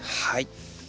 はい。